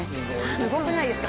すごくないですか？